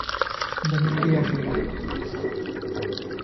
The Navy agreed.